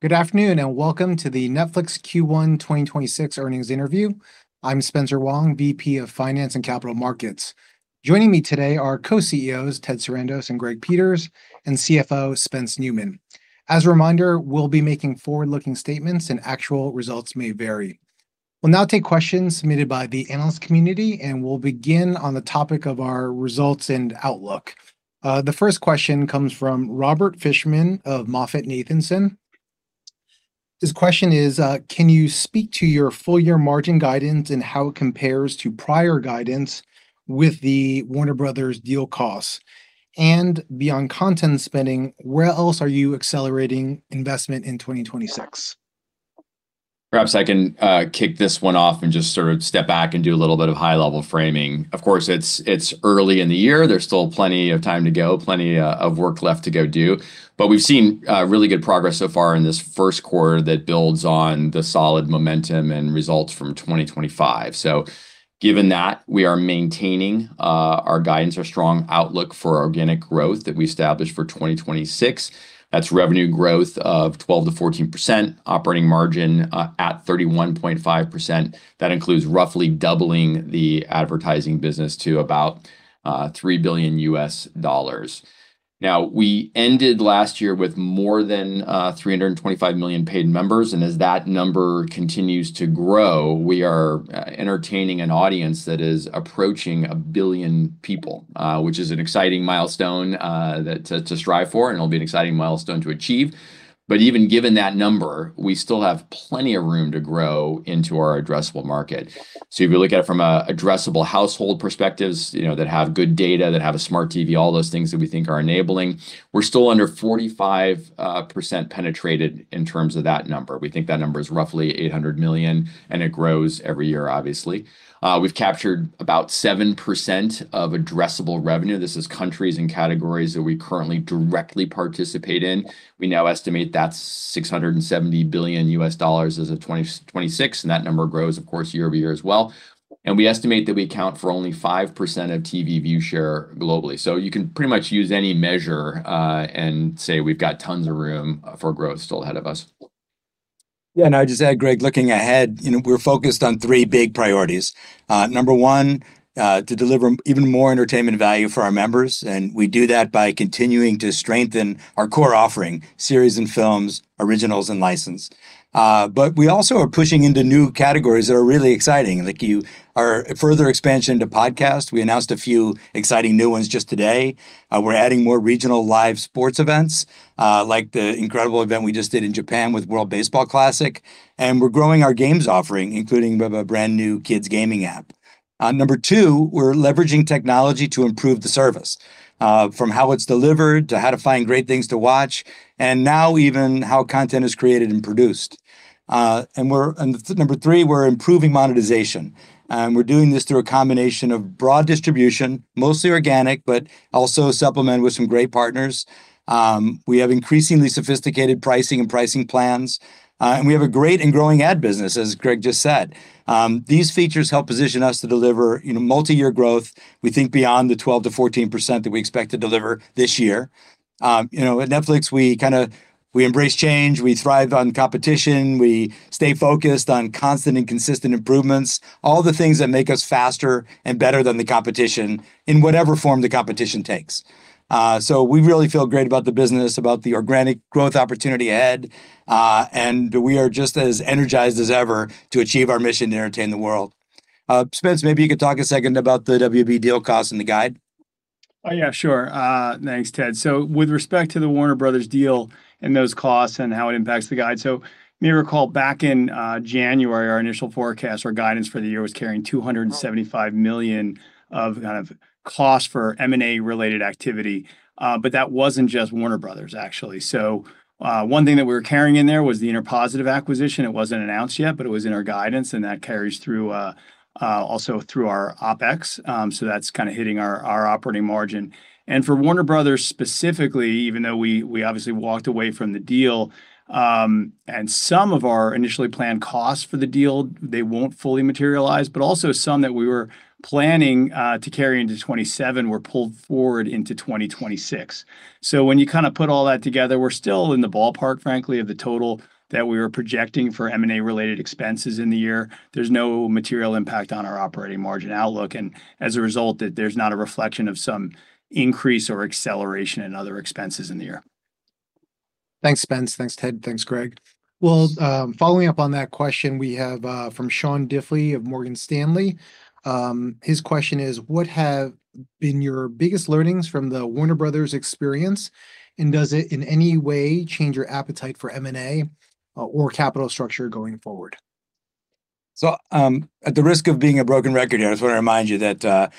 Good afternoon, and welcome to the Netflix Q1 2026 Earnings Interview. I'm Spencer Wang, VP of Finance and Capital Markets. Joining me today are co-CEOs Ted Sarandos and Greg Peters, and CFO Spence Neumann. As a reminder, we'll be making forward-looking statements, and actual results may vary. We'll now take questions submitted by the analyst community, and we'll begin on the topic of our results and outlook. The first question comes from Robert Fishman of MoffettNathanson. His question is, "Can you speak to your full-year margin guidance and how it compares to prior guidance with the Warner Brothers deal costs? And beyond content spending, where else are you accelerating investment in 2026? Perhaps I can kick this one off and just sort of step back and do a little bit of high-level framing. Of course, it's early in the year. There's still plenty of time to go, plenty of work left to go do. We've seen really good progress so far in this first quarter that builds on the solid momentum and results from 2025. Given that, we are maintaining our guidance, our strong outlook for organic growth that we established for 2026. That's revenue growth of 12%-14%, operating margin at 31.5%. That includes roughly doubling the advertising business to about $3 billion. Now, we ended last year with more than 325 million paid members, and as that number continues to grow, we are entertaining an audience that is approaching 1 billion people, which is an exciting milestone to strive for, and it'll be an exciting milestone to achieve. Even given that number, we still have plenty of room to grow into our addressable market. If you look at it from an addressable household perspective that have good data, that have a smart TV, all those things that we think are enabling, we're still under 45% penetrated in terms of that number. We think that number is roughly 800 million, and it grows every year, obviously. We've captured about 7% of addressable revenue. This is countries and categories that we currently directly participate in. We now estimate that's $670 billion as of 2026, and that number grows, of course, year-over-year as well. We estimate that we account for only 5% of TV view share globally. You can pretty much use any measure and say we've got tons of room for growth still ahead of us. Yeah. I just add, Greg, looking ahead, we're focused on three big priorities. Number one, to deliver even more entertainment value for our members, and we do that by continuing to strengthen our core offering, series and films, originals, and licensed. We also are pushing into new categories that are really exciting. Like our further expansion to podcasts. We announced a few exciting new ones just today. We're adding more regional live sports events, like the incredible event we just did in Japan with World Baseball Classic, and we're growing our games offering, including a brand new kids gaming app. Number two, we're leveraging technology to improve the service, from how it's delivered to how to find great things to watch and now even how content is created and produced. Number three, we're improving monetization. We're doing this through a combination of broad distribution, mostly organic, but also supplemented with some great partners. We have increasingly sophisticated pricing and pricing plans. We have a great and growing ad business, as Greg just said. These features help position us to deliver multi-year growth. We think beyond the 12%-14% that we expect to deliver this year. At Netflix, we embrace change. We thrive on competition. We stay focused on constant and consistent improvements. All the things that make us faster and better than the competition in whatever form the competition takes. We really feel great about the business, about the organic growth opportunity ahead, and we are just as energized as ever to achieve our mission to entertain the world. Spence, maybe you could talk a second about the WB deal cost and the guide. Oh, yeah. Sure. Thanks, Ted. With respect to the Warner Brothers deal and those costs and how it impacts the guide, you may recall back in January, our initial forecast or guidance for the year was carrying $275 million of cost for M&A related activity, but that wasn't just Warner Brothers, actually. One thing that we were carrying in there was the InterPositive acquisition. It wasn't announced yet, but it was in our guidance, and that carries through our OpEx. That's hitting our operating margin. For Warner Brothers specifically, even though we obviously walked away from the deal, and some of our initially planned costs for the deal, they won't fully materialize, but also some that we were planning to carry into 2027 were pulled forward into 2026. When you put all that together, we're still in the ballpark, frankly, of the total that we were projecting for M&A related expenses in the year. There's no material impact on our operating margin outlook, and as a result, there's not a reflection of some increase or acceleration in other expenses in the year. Thanks, Spence. Thanks, Ted. Thanks, Greg. Well, following up on that question, we have from Sean Diffley of Morgan Stanley. His question is, "What have been your biggest learnings from the Warner Brothers experience, and does it in any way change your appetite for M&A or capital structure going forward? At the risk of being a broken record here, I just want to remind you that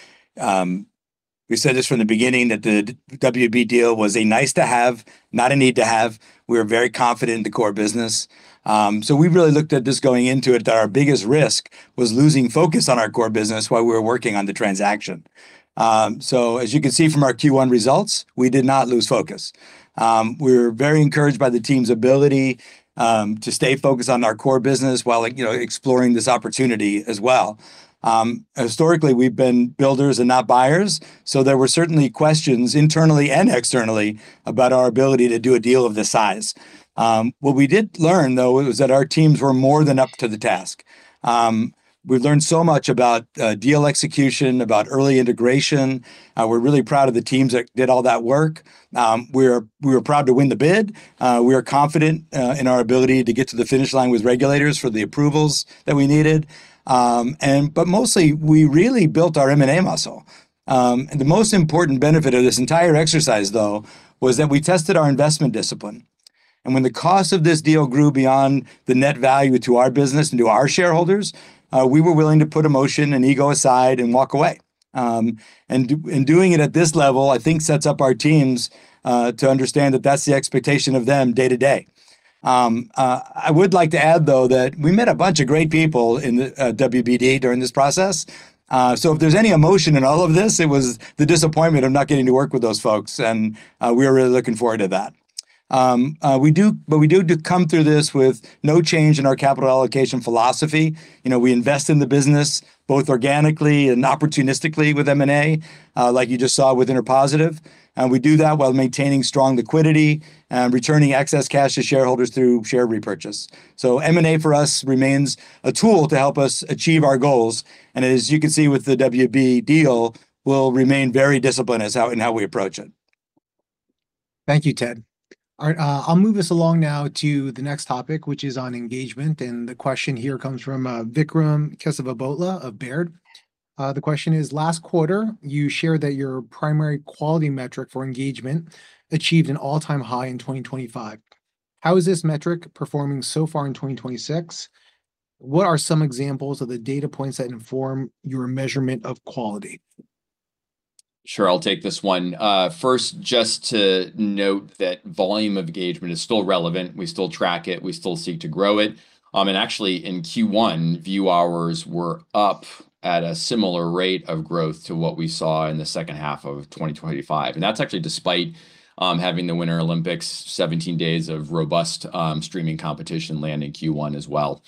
we said this from the beginning, that the WB deal was a nice to have, not a need to have. We are very confident in the core business. We really looked at this going into it, that our biggest risk was losing focus on our core business while we were working on the transaction. As you can see from our Q1 results, we did not lose focus. We're very encouraged by the team's ability to stay focused on our core business while exploring this opportunity as well. Historically, we've been builders and not buyers, so there were certainly questions internally and externally about our ability to do a deal of this size. What we did learn, though, was that our teams were more than up to the task. We've learned so much about deal execution, about early integration. We're really proud of the teams that did all that work. We're proud to win the bid. We are confident in our ability to get to the finish line with regulators for the approvals that we needed. Mostly, we really built our M&A muscle. The most important benefit of this entire exercise, though, was that we tested our investment discipline. When the cost of this deal grew beyond the net value to our business and to our shareholders, we were willing to put emotion and ego aside and walk away. Doing it at this level, I think, sets up our teams to understand that that's the expectation of them day to day. I would like to add, though, that we met a bunch of great people in WBD during this process. If there's any emotion in all of this, it was the disappointment of not getting to work with those folks, and we were really looking forward to that. We do come through this with no change in our capital allocation philosophy. We invest in the business both organically and opportunistically with M&A, like you just saw with InterPositive. We do that while maintaining strong liquidity and returning excess cash to shareholders through share repurchase. M&A for us remains a tool to help us achieve our goals, and as you can see with the WB deal, will remain very disciplined in how we approach it. Thank you, Ted. All right. I'll move us along now to the next topic, which is on engagement, and the question here comes from Vikram Kesavabhotla of Baird. The question is: Last quarter, you shared that your primary quality metric for engagement achieved an all-time high in 2025. How is this metric performing so far in 2026? What are some examples of the data points that inform your measurement of quality? Sure, I'll take this one. First, just to note that volume of engagement is still relevant. We still track it, we still seek to grow it. Actually, in Q1, view hours were up at a similar rate of growth to what we saw in the second half of 2025. That's actually despite having the Winter Olympics, 17 days of robust streaming competition landing Q1 as well.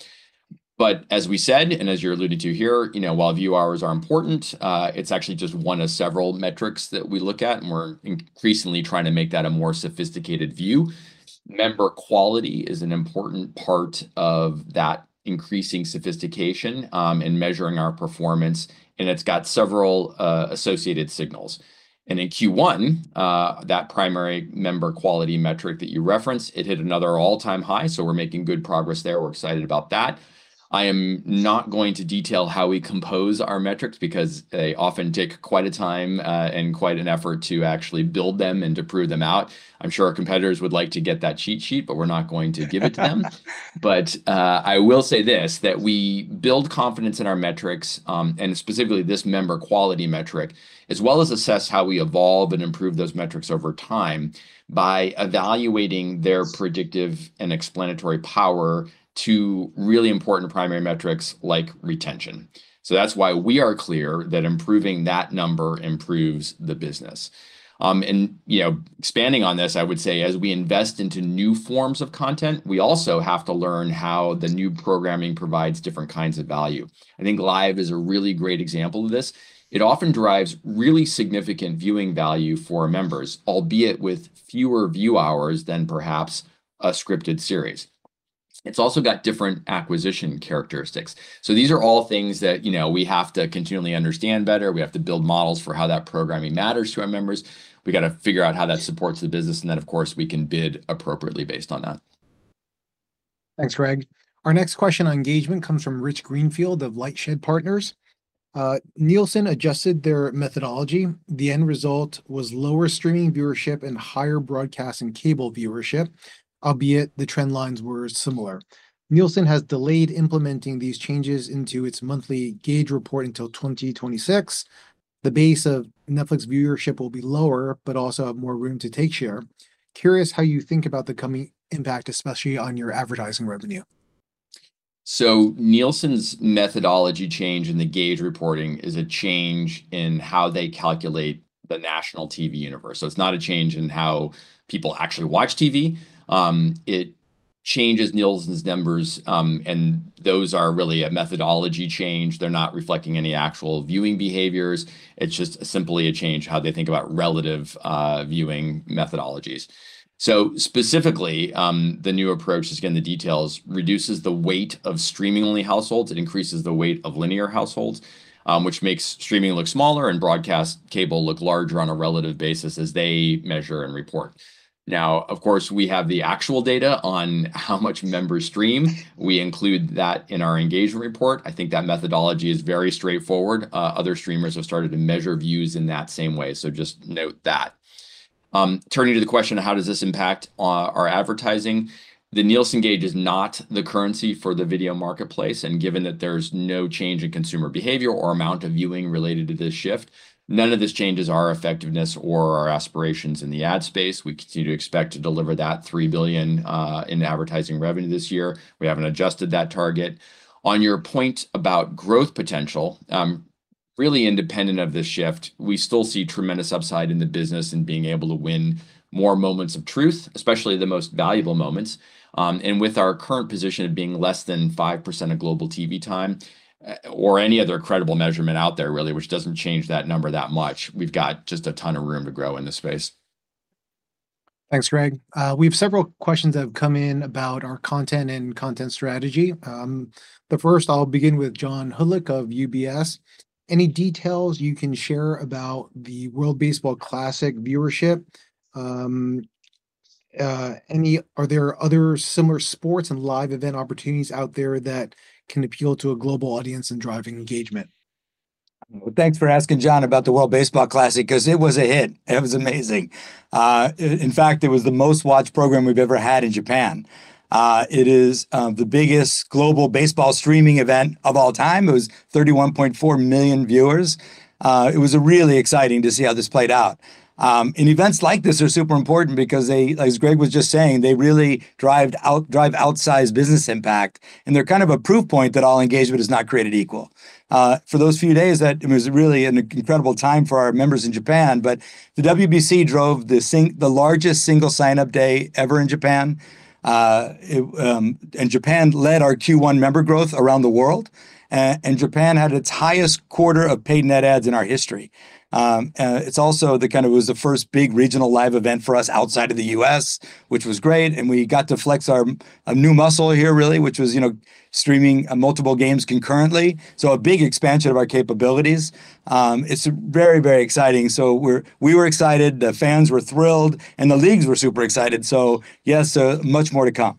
As we said, and as you alluded to here, while view hours are important, it's actually just one of several metrics that we look at, and we're increasingly trying to make that a more sophisticated view. Member quality is an important part of that increasing sophistication in measuring our performance, and it's got several associated signals. In Q1, that primary member quality metric that you referenced, it hit another all-time high, so we're making good progress there. We're excited about that. I am not going to detail how we compose our metrics because they often take quite a time and quite an effort to actually build them and to prove them out. I'm sure our competitors would like to get that cheat sheet, but we're not going to give it to them. I will say this, that we build confidence in our metrics, and specifically this member quality metric, as well as assess how we evolve and improve those metrics over time by evaluating their predictive and explanatory power to really important primary metrics like retention. That's why we are clear that improving that number improves the business. Expanding on this, I would say as we invest into new forms of content, we also have to learn how the new programming provides different kinds of value. I think Live is a really great example of this. It often drives really significant viewing value for members, albeit with fewer view hours than perhaps a scripted series. It's also got different acquisition characteristics. These are all things that we have to continually understand better. We have to build models for how that programming matters to our members. We got to figure out how that supports the business, and then, of course, we can bid appropriately based on that. Thanks, Greg. Our next question on engagement comes from Rich Greenfield of LightShed Partners. Nielsen adjusted their methodology. The end result was lower streaming viewership and higher broadcast and cable viewership, albeit the trend lines were similar. Nielsen has delayed implementing these changes into its monthly gauge report until 2026. The base of Netflix viewership will be lower, but also have more room to take share. Curious how you think about the coming impact, especially on your advertising revenue. Nielsen's methodology change in the gauge reporting is a change in how they calculate the national TV universe. It's not a change in how people actually watch TV. It changes Nielsen's numbers, and those are really a methodology change. They're not reflecting any actual viewing behaviors. It's just simply a change in how they think about relative viewing methodologies. Specifically, the new approach, just getting the details, reduces the weight of streaming-only households. It increases the weight of linear households, which makes streaming look smaller and broadcast cable look larger on a relative basis as they measure and report. Now, of course, we have the actual data on how much members stream. We include that in our engagement report. I think that methodology is very straightforward. Other streamers have started to measure views in that same way. Just note that. Turning to the question, how does this impact our advertising? The Nielsen gauge is not the currency for the video marketplace, and given that there's no change in consumer behavior or amount of viewing related to this shift, none of this changes our effectiveness or our aspirations in the ad space. We continue to expect to deliver that $3 billion in advertising revenue this year. We haven't adjusted that target. On your point about growth potential, really independent of this shift, we still see tremendous upside in the business in being able to win more moments of truth, especially the most valuable moments. With our current position of being less than 5% of global TV time or any other credible measurement out there, really, which doesn't change that number that much, we've got just a ton of room to grow in this space. Thanks, Greg. We have several questions that have come in about our content and content strategy. The first, I'll begin with John Hodulik of UBS. Any details you can share about the World Baseball Classic viewership? Are there other similar sports and live event opportunities out there that can appeal to a global audience and drive engagement? Well, thanks for asking, John, about the World Baseball Classic, because it was a hit. It was amazing. In fact, it was the most watched program we've ever had in Japan. It is the biggest global baseball streaming event of all time. It was 31.4 million viewers. It was really exciting to see how this played out. Events like this are super important because, as Greg was just saying, they really drive outsized business impact, and they're kind of a proof point that all engagement is not created equal. For those few days, that was really an incredible time for our members in Japan, but the WBC drove the largest single sign-up day ever in Japan. Japan led our Q1 member growth around the world. Japan had its highest quarter of paid net adds in our history. It also was the first big regional live event for us outside of the U.S., which was great, and we got to flex our new muscle here, really, which was streaming multiple games concurrently. A big expansion of our capabilities. It's very exciting. We were excited, the fans were thrilled, and the leagues were super excited. Yes, much more to come.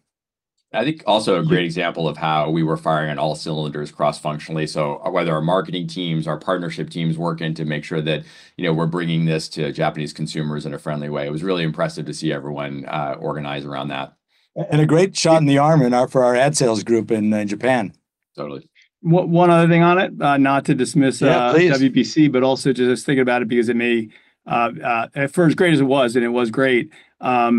I think also a great example of how we were firing on all cylinders cross-functionally, whether our marketing teams, our partnership teams working to make sure that we're bringing this to Japanese consumers in a friendly way. It was really impressive to see everyone organize around that. A great shot in the arm for our ad sales group in Japan. Totally. One other thing on it, not to dismiss- Yeah, please.... the WBC, but also to just think about it because it may, at first great. It was, and it was great,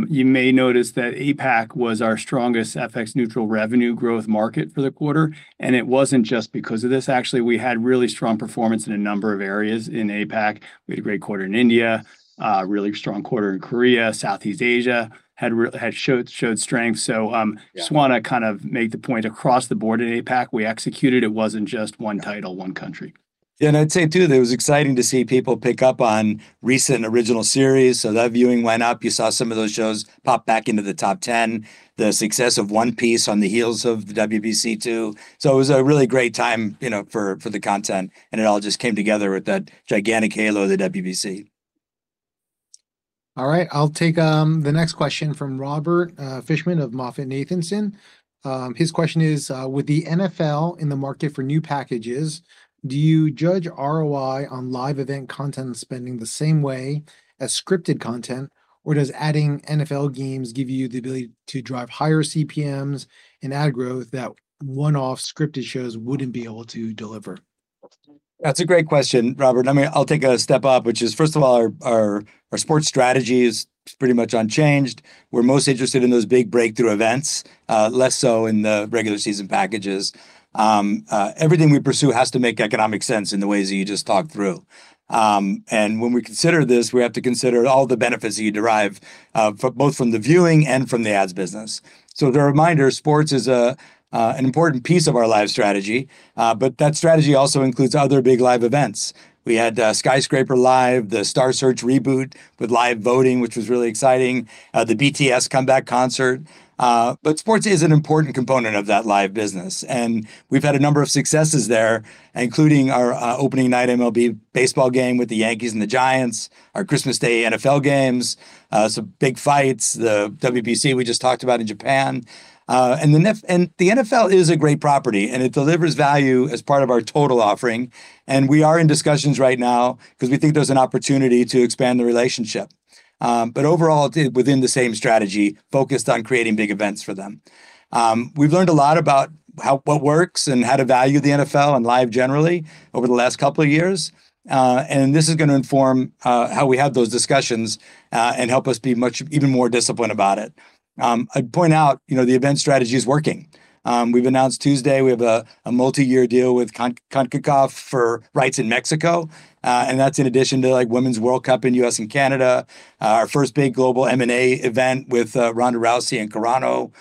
you may notice that APAC was our strongest FX-neutral revenue growth market for the quarter. It wasn't just because of this. Actually, we had really strong performance in a number of areas in APAC. We had a great quarter in India, a really strong quarter in Korea, Southeast Asia had showed strength. Just want to kind of make the point across the board at APAC, we executed. It wasn't just one title, one country. Yeah, I'd say, too, that it was exciting to see people pick up on recent original series. That viewing went up. You saw some of those shows pop back into the top 10. The success of "One Piece" on the heels of the WBC, too. It was a really great time for the content, and it all just came together with that gigantic halo of the WBC. All right. I'll take the next question from Robert Fishman of MoffettNathanson. His question is, with the NFL in the market for new packages, do you judge ROI on live event content and spending the same way as scripted content, or does adding NFL games give you the ability to drive higher CPMs and ad growth that one-off scripted shows wouldn't be able to deliver? That's a great question, Robert. I mean, I'll take a step up, which is, first of all, our sports strategy is pretty much unchanged. We're most interested in those big breakthrough events, less so in the regular season packages. Everything we pursue has to make economic sense in the ways that you just talked through. When we consider this, we have to consider all the benefits that you derive, both from the viewing and from the ads business. The reminder, sports is an important piece of our live strategy, but that strategy also includes other big live events. We had Skyscraper Live, the Star Search reboot with live voting, which was really exciting, the BTS comeback concert. Sports is an important component of that live business, and we've had a number of successes there, including our opening night MLB baseball game with the Yankees and the Giants, our Christmas Day NFL games, some big fights, the WBC we just talked about in Japan. The NFL is a great property, and it delivers value as part of our total offering, and we are in discussions right now because we think there's an opportunity to expand the relationship overall, within the same strategy, focused on creating big events for them. We've learned a lot about what works and how to value the NFL and live generally over the last couple of years. This is going to inform how we have those discussions and help us be even more disciplined about it. I'd point out the event strategy is working. We've announced Tuesday we have a multi-year deal with CONCACAF for rights in Mexico, and that's in addition to Women's World Cup in U.S. and Canada, our first big global M&A event with Ronda Rousey and Carano.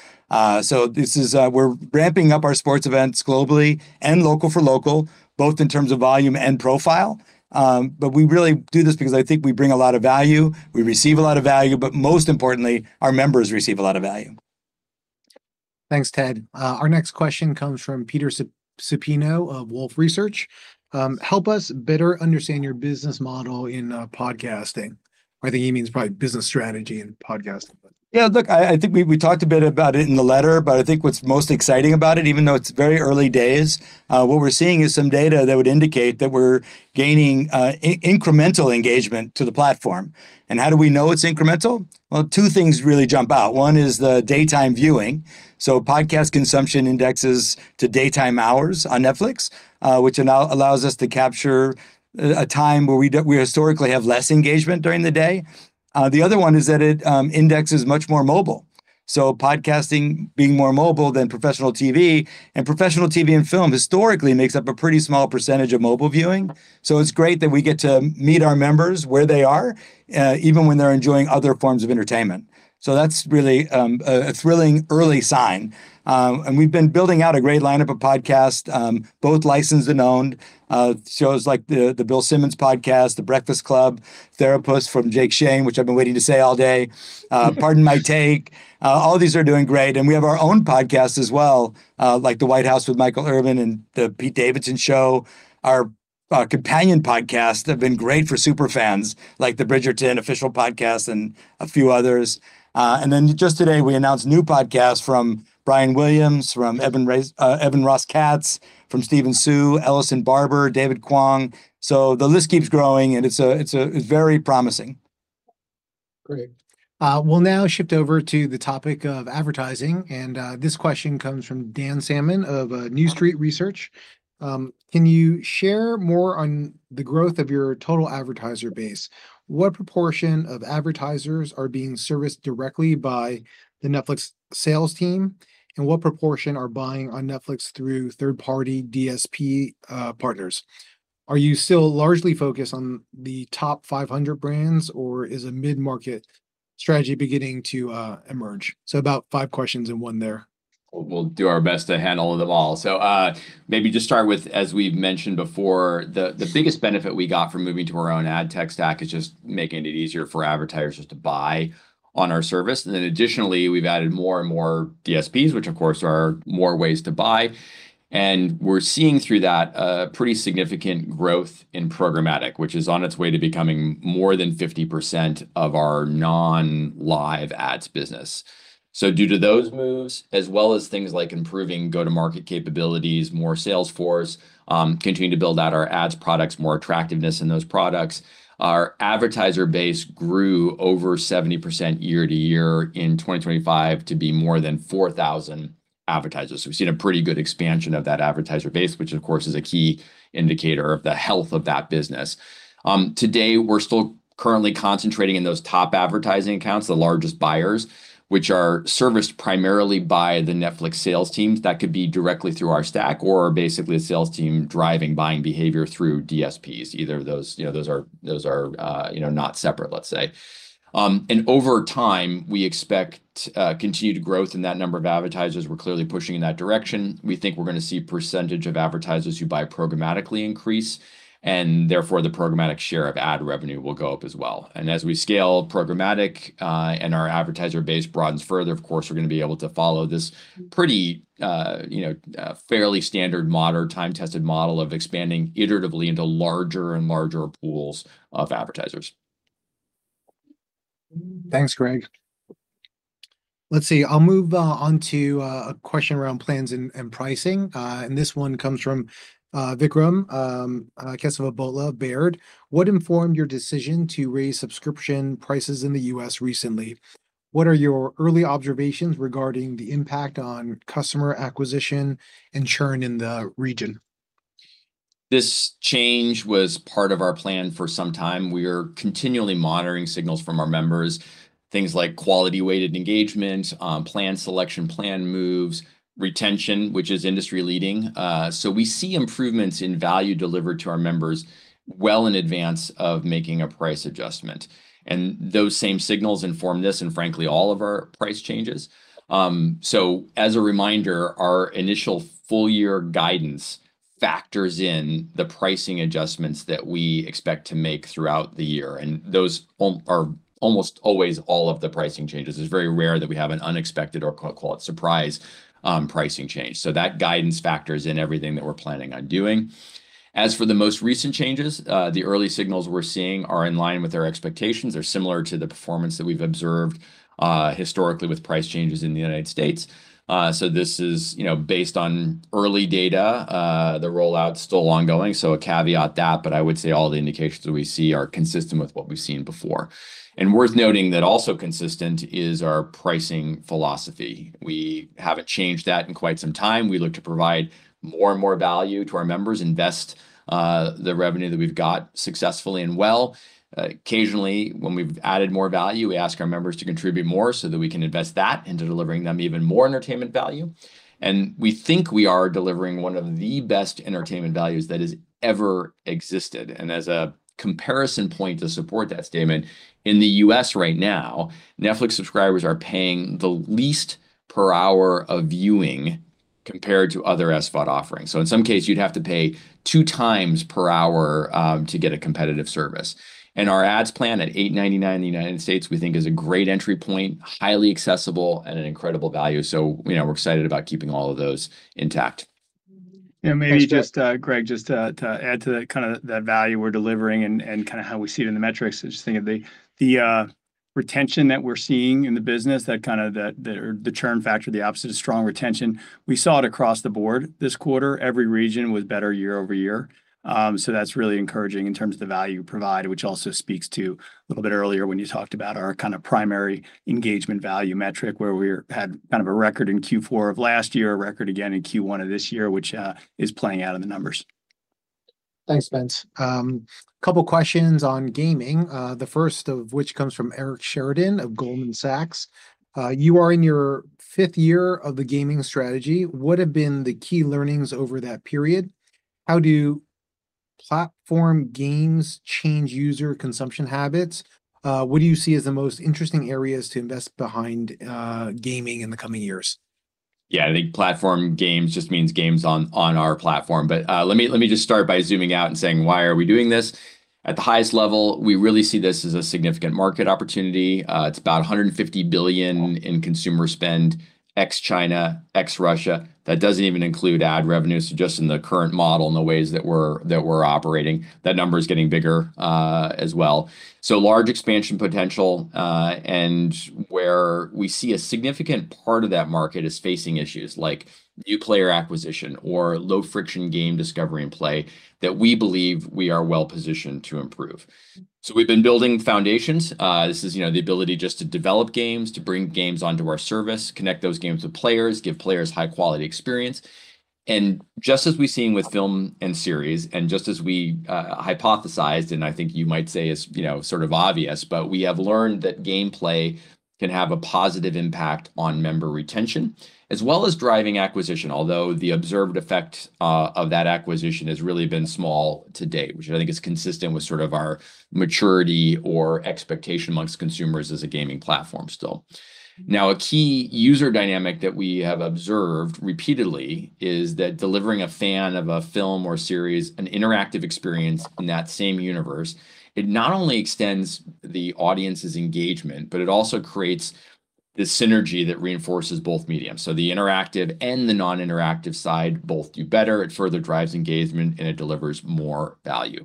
We're ramping up our sports events globally and local for local, both in terms of volume and profile. We really do this because I think we bring a lot of value, we receive a lot of value, but most importantly, our members receive a lot of value. Thanks, Ted. Our next question comes from Peter Supino of Wolfe Research. Help us better understand your business model in podcasting, or I think he means probably business strategy in podcasting. Yeah, look, I think we talked a bit about it in the letter, but I think what's most exciting about it, even though it's very early days, what we're seeing is some data that would indicate that we're gaining incremental engagement to the platform. How do we know it's incremental? Well, two things really jump out. One is the daytime viewing. Podcast consumption indexes to daytime hours on Netflix, which allows us to capture a time where we historically have less engagement during the day. The other one is that it indexes much more mobile, podcasting being more mobile than professional TV, and professional TV and film historically makes up a pretty small percentage of mobile viewing. It's great that we get to meet our members where they are, even when they're enjoying other forms of entertainment. That's really a thrilling early sign. We've been building out a great lineup of podcasts, both licensed and owned, shows like "The Bill Simmons Podcast," "The Breakfast Club," "Therapuss" from Jake Shane, which I've been waiting to say all day. "Pardon My Take." All these are doing great. We have our own podcasts as well, like "The White House" with Michael Irvin and "The Pete Davidson Show." Our companion podcasts have been great for super fans, like "The Bridgerton Official Podcast" and a few others. Then just today, we announced new podcasts from Brian Williams, from Evan Ross Katz, from Stephanie Soo, Ellison Barber, David Kwong. So the list keeps growing, and it's very promising. Great. We'll now shift over to the topic of advertising, and this question comes from Dan Salmon of New Street Research. Can you share more on the growth of your total advertiser base? What proportion of advertisers are being serviced directly by the Netflix sales team, and what proportion are buying on Netflix through third-party DSP partners? Are you still largely focused on the top 500 brands, or is a mid-market strategy beginning to emerge? About five questions in one there. We'll do our best to handle them all. Maybe just start with, as we've mentioned before, the biggest benefit we got from moving to our own ad tech stack is just making it easier for advertisers to buy on our service. Additionally, we've added more and more DSPs, which of course are more ways to buy. We're seeing through that a pretty significant growth in programmatic, which is on its way to becoming more than 50% of our non-live ads business. Due to those moves, as well as things like improving go-to-market capabilities, more sales force, continuing to build out our ads products, more attractiveness in those products, our advertiser base grew over 70% year-to-year in 2025 to be more than 4,000 advertisers. We've seen a pretty good expansion of that advertiser base, which of course is a key indicator of the health of that business. Today, we're still currently concentrating in those top advertising accounts, the largest buyers, which are serviced primarily by the Netflix sales teams. That could be directly through our stack or basically a sales team driving buying behavior through DSPs, either of those. Those are not separate, let's say. Over time, we expect continued growth in that number of advertisers. We're clearly pushing in that direction. We think we're going to see percentage of advertisers who buy programmatically increase, and therefore the programmatic share of ad revenue will go up as well. As we scale programmatic, and our advertiser base broadens further, of course, we're going to be able to follow this pretty, fairly standard, modern, time-tested model of expanding iteratively into larger and larger pools of advertisers. Thanks, Greg. Let's see. I'll move on to a question around plans and pricing. This one comes from Vikram Kesavabhotla, Baird. What informed your decision to raise subscription prices in the U.S. recently? What are your early observations regarding the impact on customer acquisition and churn in the region? This change was part of our plan for some time. We are continually monitoring signals from our members, things like quality-weighted engagement, plan selection, plan moves, retention, which is industry-leading. We see improvements in value delivered to our members well in advance of making a price adjustment. Those same signals inform this and frankly all of our price changes. As a reminder, our initial full year guidance factors in the pricing adjustments that we expect to make throughout the year, and those are almost always all of the pricing changes. It's very rare that we have an unexpected or call it surprise pricing change. That guidance factors in everything that we're planning on doing. As for the most recent changes, the early signals we're seeing are in line with our expectations. They're similar to the performance that we've observed historically with price changes in the United States. This is based on early data. The rollout's still ongoing, so a caveat to that, but I would say all the indications that we see are consistent with what we've seen before. Worth noting that also consistent is our pricing philosophy. We haven't changed that in quite some time. We look to provide more and more value to our members, invest the revenue that we've got successfully and well. Occasionally, when we've added more value, we ask our members to contribute more so that we can invest that into delivering them even more entertainment value. We think we are delivering one of the best entertainment values that has ever existed. As a comparison point to support that statement, in the U.S. right now, Netflix subscribers are paying the least per hour of viewing compared to other SVOD offerings. In some case, you'd have to pay 2x per hour to get a competitive service. Our ads plan at $8.99 in the United States, we think is a great entry point, highly accessible, and an incredible value. We're excited about keeping all of those intact. And maybe just- Thanks, Greg.... Greg, just to add to that value we're delivering and how we see it in the metrics, I just think of the retention that we're seeing in the business, the churn factor, the opposite of strong retention. We saw it across the board this quarter. Every region was better year-over-year. That's really encouraging in terms of the value provided, which also speaks to a little bit earlier when you talked about our primary engagement value metric, where we had a record in Q4 of last year, a record again in Q1 of this year, which is playing out in the numbers. Thanks, Spence. Couple questions on gaming, the first of which comes from Eric Sheridan of Goldman Sachs. You are in your fifth year of the gaming strategy. What have been the key learnings over that period? How do platform games change user consumption habits? What do you see as the most interesting areas to invest behind gaming in the coming years? Yeah, I think platform games just means games on our platform. Let me just start by zooming out and saying, why are we doing this? At the highest level, we really see this as a significant market opportunity. It's about $150 billion in consumer spend, ex-China, ex-Russia. That doesn't even include ad revenue. Just in the current model, in the ways that we're operating, that number is getting bigger as well. Large expansion potential, and where we see a significant part of that market is facing issues like new player acquisition or low-friction game discovery and play that we believe we are well-positioned to improve. We've been building foundations. This is the ability just to develop games, to bring games onto our service, connect those games with players, give players high-quality experience. Just as we've seen with film and series, and just as we hypothesized, and I think you might say it's sort of obvious, but we have learned that gameplay can have a positive impact on member retention as well as driving acquisition, although the observed effect of that acquisition has really been small to date, which I think is consistent with sort of our maturity or expectation amongst consumers as a gaming platform still. Now, a key user dynamic that we have observed repeatedly is that delivering a fan of a film or series, an interactive experience in that same universe, it not only extends the audience's engagement, but it also creates this synergy that reinforces both mediums. The interactive and the non-interactive side both do better. It further drives engagement, and it delivers more value.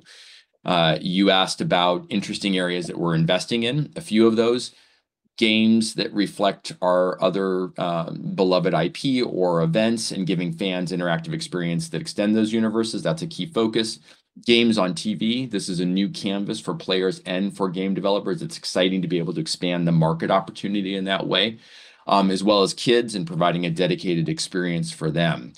You asked about interesting areas that we're investing in. A few of those, games that reflect our other beloved IP or events and giving fans interactive experience that extend those universes, that's a key focus. Games on TV, this is a new canvas for players and for game developers. It's exciting to be able to expand the market opportunity in that way, as well as kids and providing a dedicated experience for them.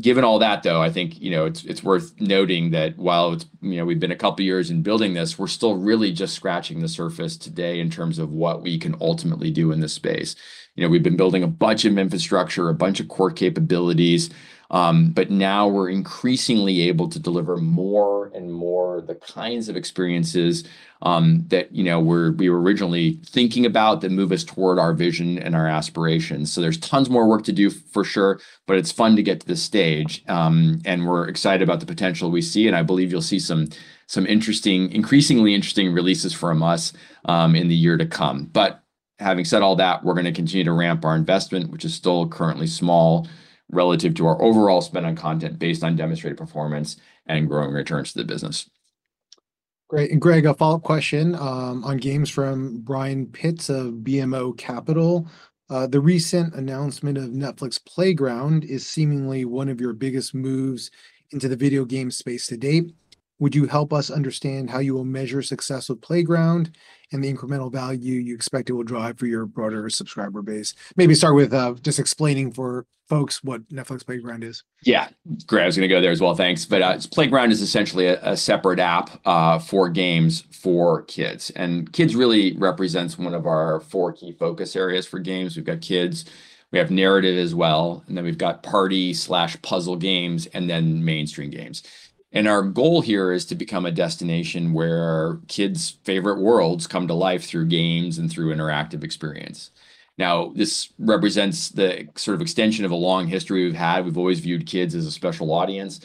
Given all that, though, I think it's worth noting that while we've been a couple of years in building this, we're still really just scratching the surface today in terms of what we can ultimately do in this space. We've been building a bunch of infrastructure, a bunch of core capabilities, but now we're increasingly able to deliver more and more of the kinds of experiences that we were originally thinking about that move us toward our vision and our aspirations. There's tons more work to do, for sure, but it's fun to get to this stage. We're excited about the potential we see, and I believe you'll see some increasingly interesting releases from us in the year to come. Having said all that, we're going to continue to ramp our investment, which is still currently small relative to our overall spend on content based on demonstrated performance and growing returns to the business. Great. Greg, a follow-up question on games from Brian Pitz of BMO Capital Markets. The recent announcement of Netflix Playground is seemingly one of your biggest moves into the video game space to date. Would you help us understand how you will measure success with Playground and the incremental value you expect it will drive for your broader subscriber base? Maybe start with just explaining for folks what Netflix Playground is. Yeah. Great, I was going to go there as well, thanks. Playground is essentially a separate app for games for kids, and kids really represents one of our four key focus areas for games. We've got kids, we have narrative as well, and then we've got party/puzzle games, and then mainstream games. Our goal here is to become a destination where kids' favorite worlds come to life through games and through interactive experience. Now, this represents the sort of extension of a long history we've had. We've always viewed kids as a special audience.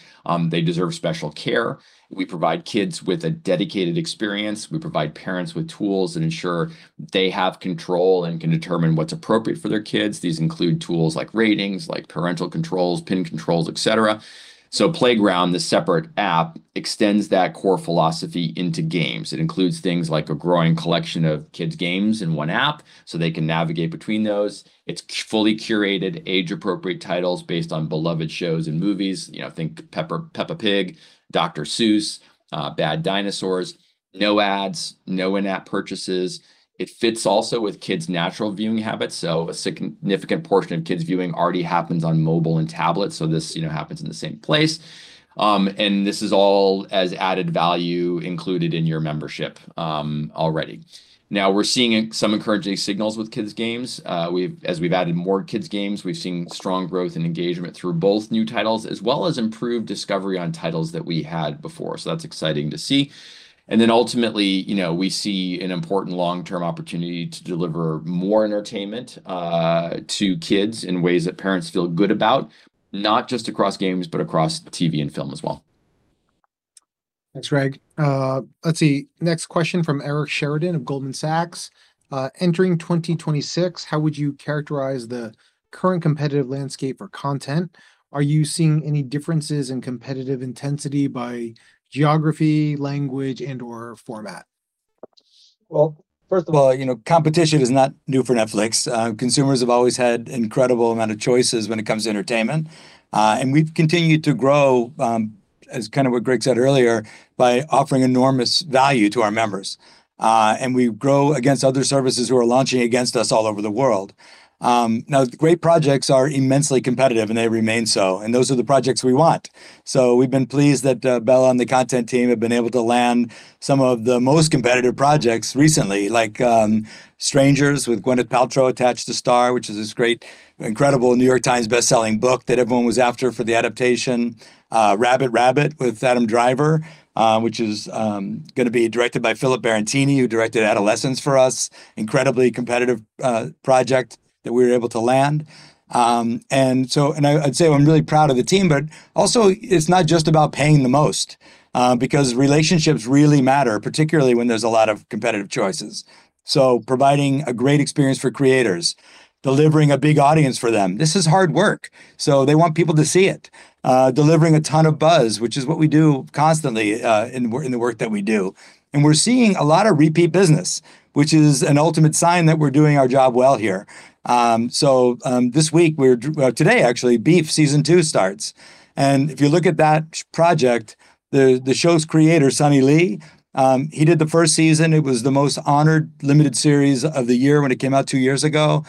They deserve special care. We provide kids with a dedicated experience. We provide parents with tools that ensure they have control and can determine what's appropriate for their kids. These include tools like ratings, like parental controls, pin controls, et cetera. Playground, the separate app, extends that core philosophy into games. It includes things like a growing collection of kids games in one app, so they can navigate between those. It's fully curated, age-appropriate titles based on beloved shows and movies. Think Peppa Pig, Dr. Seuss, Bad Dinosaurs. No ads, no in-app purchases. It fits also with kids' natural viewing habits. A significant portion of kids viewing already happens on mobile and tablet, so this happens in the same place. This is all as added value included in your membership already. Now we're seeing some encouraging signals with kids games. As we've added more kids games, we've seen strong growth and engagement through both new titles as well as improved discovery on titles that we had before. That's exciting to see. Ultimately, we see an important long-term opportunity to deliver more entertainment to kids in ways that parents feel good about, not just across games, but across TV and film as well. Thanks, Greg. Let's see. Next question from Eric Sheridan of Goldman Sachs. Entering 2026, how would you characterize the current competitive landscape for content? Are you seeing any differences in competitive intensity by geography, language, and/or format? Well, first of all, competition is not new for Netflix. Consumers have always had an incredible amount of choices when it comes to entertainment. We've continued to grow. As kind of what Greg said earlier, by offering enormous value to our members, and we grow against other services who are launching against us all over the world. Now, great projects are immensely competitive, and they remain so, and those are the projects we want. We've been pleased that Bela and the content team have been able to land some of the most competitive projects recently, like "Strangers" with Gwyneth Paltrow attached to star, which is this great, incredible New York Times best-selling book that everyone was after for the adaptation. "Rabbit, Rabbit" with Adam Driver, which is going to be directed by Philip Barantini, who directed Adolescence for us. Incredibly competitive project that we were able to land. I'd say I'm really proud of the team, but also, it's not just about paying the most, because relationships really matter, particularly when there's a lot of competitive choices. Providing a great experience for creators, delivering a big audience for them. This is hard work, so they want people to see it. Delivering a ton of buzz, which is what we do constantly in the work that we do. We're seeing a lot of repeat business, which is an ultimate sign that we're doing our job well here. Today actually, BEEF Season 2 starts. If you look at that project, the show's creator, Sonny Lee, he did the first season. It was the most honored limited series of the year when it came out two years ago.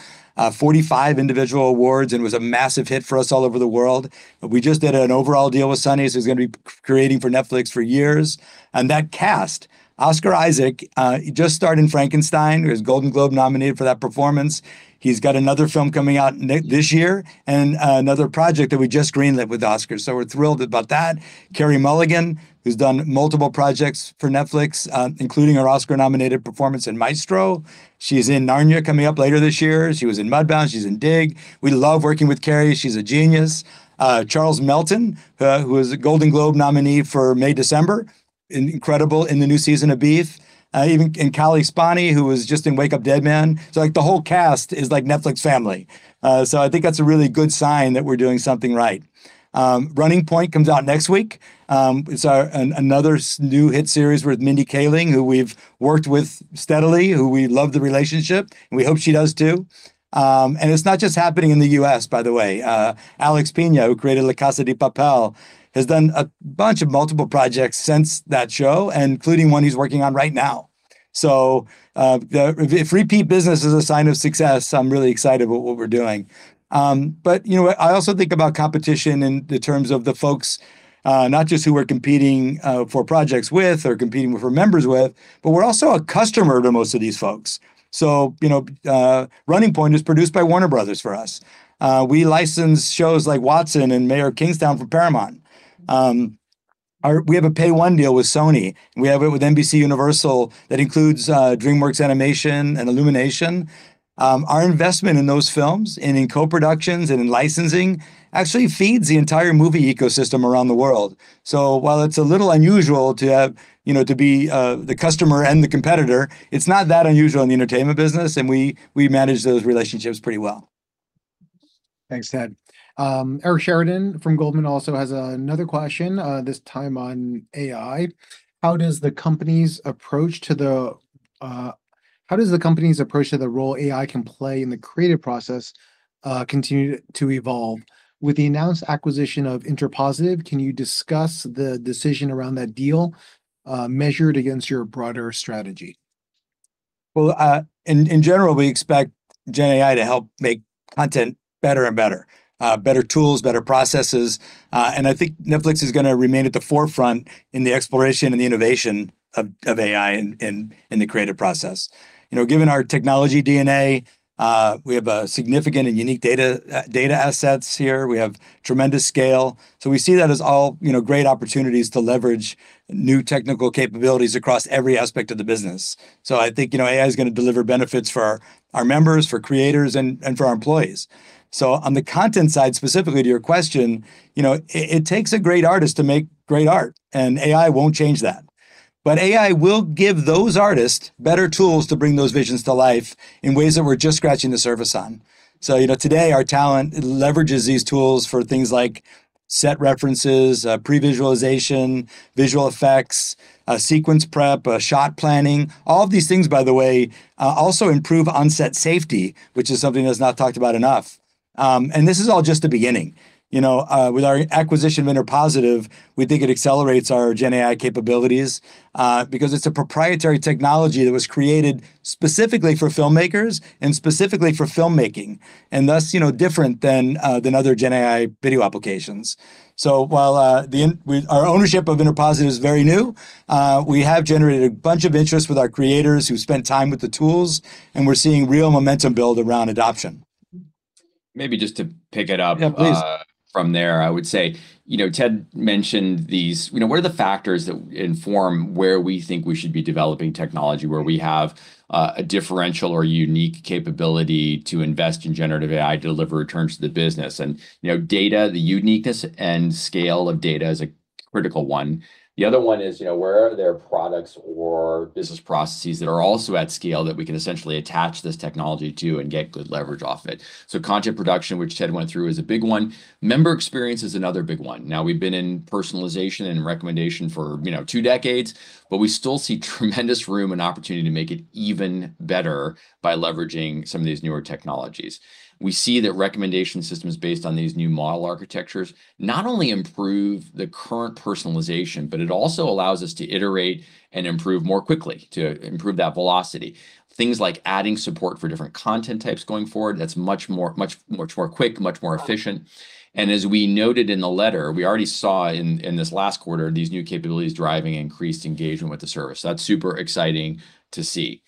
45 individual awards and was a massive hit for us all over the world. We just did an overall deal with Sonny, so he's going to be creating for Netflix for years. That cast, Oscar Isaac, he just starred in Frankenstein. He was Golden Globe-nominated for that performance. He's got another film coming out [mid] this year and another project that we just greenlit with Oscar. We're thrilled about that. Carey Mulligan, who's done multiple projects for Netflix, including her Oscar-nominated performance in Maestro. She's in Narnia coming up later this year. She was in Mudbound. She's in Dig. We love working with Carey. She's a genius. Charles Melton, who is a Golden Globe nominee for May December, incredible in the new season of BEEF. Even Cailee Spaeny, who was just in Wake Up Dead Man. The whole cast is like Netflix family. I think that's a really good sign that we're doing something right. Running Point comes out next week. It's another new hit series with Mindy Kaling, who we've worked with steadily, who we love the relationship, and we hope she does too. It's not just happening in the U.S., by the way. Álex Pina, who created La Casa de Papel, has done a bunch of multiple projects since that show, including one he's working on right now. If repeat business is a sign of success, I'm really excited about what we're doing. I also think about competition in the terms of the folks, not just who we're competing for projects with or competing with our members with, but we're also a customer to most of these folks. Running Point is produced by Warner Brothers for us. We license shows like Watson and Mayor of Kingstown for Paramount. We have a pay one deal with Sony, and we have it with NBCUniversal, that includes DreamWorks Animation and Illumination. Our investment in those films and in co-productions and in licensing actually feeds the entire movie ecosystem around the world. While it's a little unusual to be the customer and the competitor, it's not that unusual in the entertainment business, and we manage those relationships pretty well. Thanks, Ted. Eric Sheridan from Goldman also has another question, this time on AI. How does the company's approach to the role AI can play in the creative process continue to evolve? With the announced acquisition of InterPositive, can you discuss the decision around that deal measured against your broader strategy? Well, in general, we expect GenAI to help make content better and better. Better tools, better processes, and I think Netflix is going to remain at the forefront in the exploration and the innovation of AI in the creative process. Given our technology DNA, we have a significant and unique data assets here. We have tremendous scale. We see that as all great opportunities to leverage new technical capabilities across every aspect of the business. I think AI's going to deliver benefits for our members, for creators, and for our employees. On the content side, specifically to your question, it takes a great artist to make great art, and AI won't change that. AI will give those artists better tools to bring those visions to life in ways that we're just scratching the surface on. Today our talent leverages these tools for things like set references, pre-visualization, visual effects, sequence prep, shot planning. All of these things, by the way, also improve on-set safety, which is something that's not talked about enough. This is all just the beginning. With our acquisition of InterPositive, we think it accelerates our GenAI capabilities, because it's a proprietary technology that was created specifically for filmmakers and specifically for filmmaking, and thus different than other GenAI video applications. While our ownership of InterPositive is very new, we have generated a bunch of interest with our creators who've spent time with the tools, and we're seeing real momentum build around adoption. Maybe just to pick it up- Yeah, please.... from there, I would say, Ted mentioned these. What are the factors that inform where we think we should be developing technology, where we have a differential or unique capability to invest in generative AI, deliver returns to the business? Data, the uniqueness and scale of data is a critical one. The other one is, where are there products or business processes that are also at scale that we can essentially attach this technology to and get good leverage off it? Content production, which Ted went through, is a big one. Member experience is another big one. Now, we've been in personalization and recommendation for two decades, but we still see tremendous room and opportunity to make it even better by leveraging some of these newer technologies. We see that recommendation systems based on these new model architectures not only improve the current personalization, but it also allows us to iterate and improve more quickly, to improve that velocity. Things like adding support for different content types going forward, that's much more quick, much more efficient. As we noted in the letter, we already saw in this last quarter, these new capabilities driving increased engagement with the service. That's super exciting to see.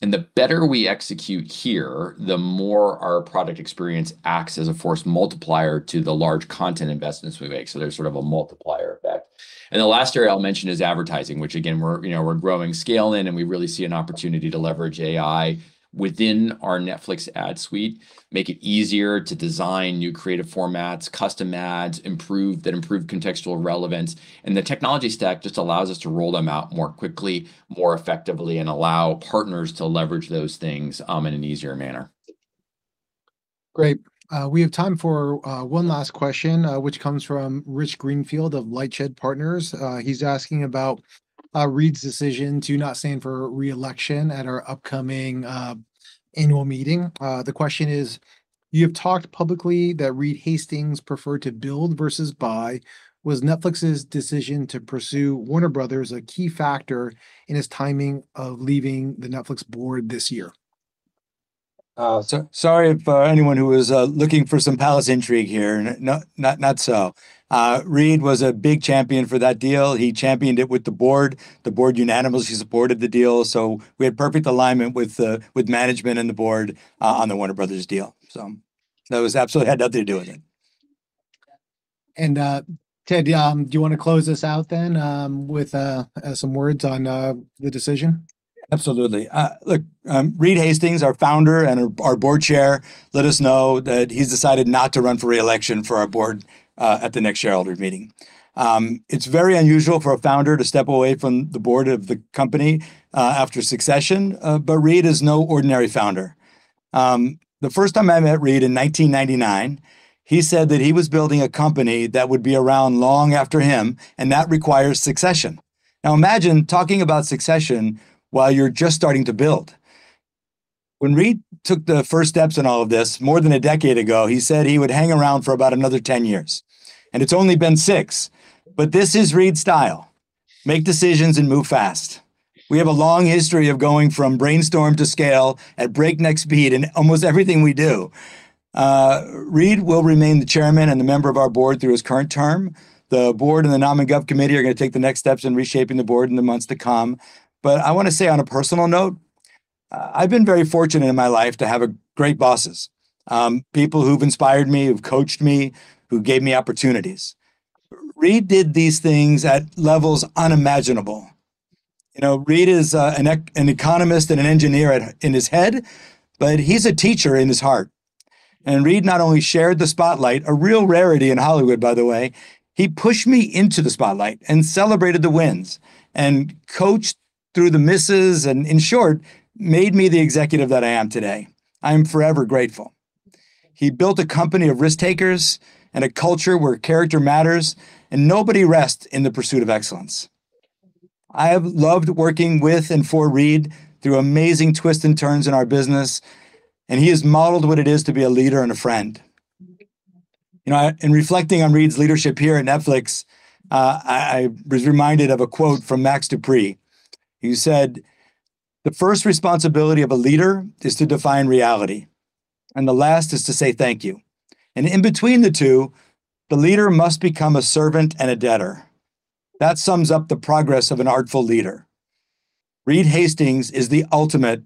The better we execute here, the more our product experience acts as a force multiplier to the large content investments we make, so there's sort of a multiplier effect. The last area I'll mention is advertising, which again, we're growing scale in, and we really see an opportunity to leverage AI within our Netflix Ads Suite, make it easier to design new creative formats, custom ads, improve contextual relevance. The technology stack just allows us to roll them out more quickly, more effectively, and allow partners to leverage those things in an easier manner. Great. We have time for one last question, which comes from Rich Greenfield of LightShed Partners. He's asking about Reed's decision to not stand for re-election at our upcoming annual meeting. The question is, "You've talked publicly that Reed Hastings preferred to build versus buy. Was Netflix's decision to pursue Warner Brothers a key factor in his timing of leaving the Netflix board this year?" Sorry for anyone who was looking for some palace intrigue here, not so. Reed was a big champion for that deal. He championed it with the Board. The Board unanimously supported the deal, so we had perfect alignment with management and the Board on the Warner Brothers deal. That absolutely had nothing to do with it. Ted, do you want to close us out then with some words on the decision? Absolutely. Look, Reed Hastings, our Founder and our Board Chair, let us know that he's decided not to run for re-election for our Board at the next shareholder meeting. It's very unusual for a founder to step away from the Board of the company after succession, but Reed is no ordinary founder. The first time I met Reed in 1999, he said that he was building a company that would be around long after him, and that requires succession. Now, imagine talking about succession while you're just starting to build. When Reed took the first steps in all of this more than a decade ago, he said he would hang around for about another 10 years, and it's only been six, but this is Reed's style. Make decisions and move fast. We have a long history of going from brainstorm to scale at breakneck speed in almost everything we do. Reed will remain the Chairman and the Member of our Board through his current term. The Board and the Nomin Gov Committee are going to take the next steps in reshaping the board in the months to come. I want to say on a personal note, I've been very fortunate in my life to have great bosses, people who've inspired me, who've coached me, who gave me opportunities. Reed did these things at levels unimaginable. Reed is an economist and an engineer in his head, but he's a teacher in his heart. Reed not only shared the spotlight, a real rarity in Hollywood, by the way. He pushed me into the spotlight and celebrated the wins and coached through the misses, and in short, made me the executive that I am today. I am forever grateful. He built a company of risk-takers and a culture where character matters and nobody rests in the pursuit of excellence. I have loved working with and for Reed through amazing twists and turns in our business, and he has modeled what it is to be a leader and a friend. In reflecting on Reed's leadership here at Netflix, I was reminded of a quote from Max De Pree, who said, "The first responsibility of a leader is to define reality, and the last is to say thank you. And in between the two, the leader must become a servant and a debtor. That sums up the progress of an artful leader." Reed Hastings is the ultimate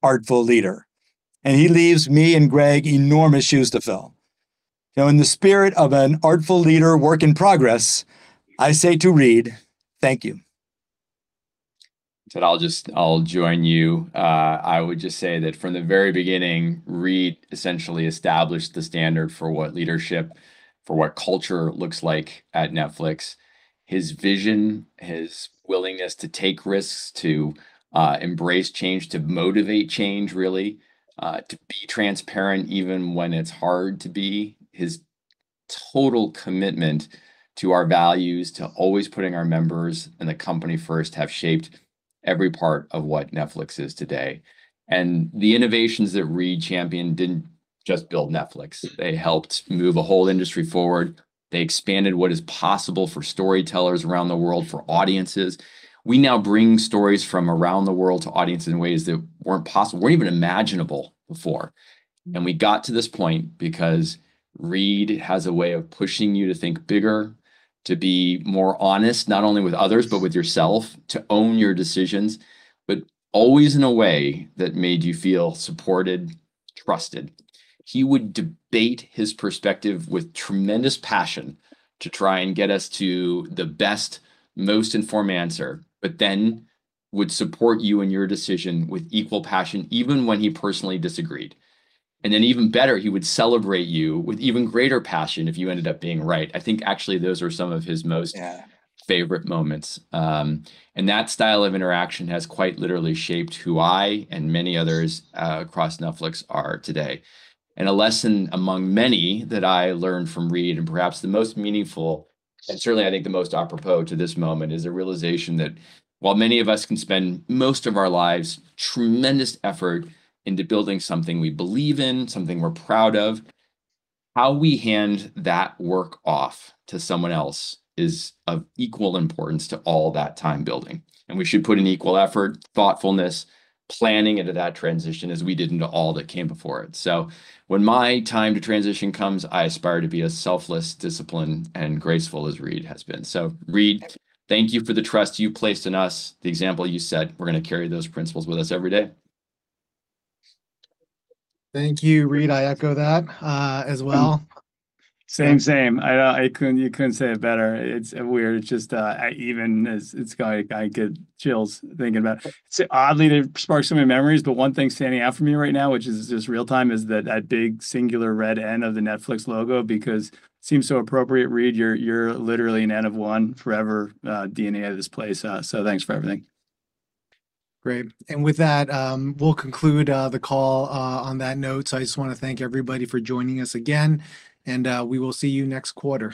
artful leader, and he leaves me and Greg enormous shoes to fill. In the spirit of an artful leader work in progress, I say to Reed, "Thank you." Ted, I'll join you. I would just say that from the very beginning, Reed essentially established the standard for what leadership, for what culture looks like at Netflix. His vision, his willingness to take risks, to embrace change, to motivate change really, to be transparent even when it's hard to be, his total commitment to our values, to always putting our members and the company first have shaped every part of what Netflix is today. The innovations that Reed championed didn't just build Netflix. They helped move a whole industry forward. They expanded what is possible for storytellers around the world for audiences. We now bring stories from around the world to audiences in ways that weren't possible, weren't even imaginable before. We got to this point because Reed has a way of pushing you to think bigger, to be more honest. Not only with others, but with yourself, to own your decisions, but always in a way that made you feel supported, trusted. He would debate his perspective with tremendous passion to try and get us to the best, most informed answer, but then would support you in your decision with equal passion, even when he personally disagreed. Even better, he would celebrate you with even greater passion if you ended up being right. I think actually those are some of his most- Yeah.... favorite moments. That style of interaction has quite literally shaped who I and many others across Netflix are today. A lesson among many that I learned from Reed. Perhaps the most meaningful and certainly I think the most apropos to this moment, is a realization that while many of us can spend most of our lives, tremendous effort into building something we believe in, something we're proud of. How we hand that work off to someone else is of equal importance to all that time building. We should put in equal effort, thoughtfulness, planning into that transition as we did into all that came before it. When my time to transition comes, I aspire to be as selfless, disciplined, and graceful as Reed has been. Reed, thank you for the trust you placed in us, the example you set. We're going to carry those principles with us every day. Thank you, Reed. I echo that as well. Same. You couldn't say it better. It's weird. I get chills thinking about it. Oddly, they've sparked so many memories, but one thing standing out for me right now, which is just real time, is that big singular red N of the Netflix logo, because it seems so appropriate. Reed, you're literally an N of one forever, DNA of this place. Thanks for everything. Great. With that, we'll conclude the call on that note. I just want to thank everybody for joining us again, and we will see you next quarter.